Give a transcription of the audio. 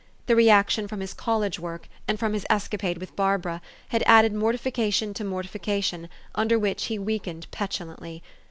The re action from his college work, and from his escapade with Barbara, had added mor tification to mortification, under which he weakened petulantly.